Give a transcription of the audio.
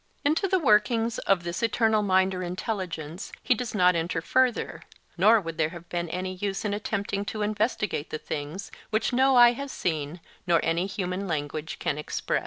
Into the workings of this eternal mind or intelligence he does not enter further; nor would there have been any use in attempting to investigate the things which no eye has seen nor any human language can express.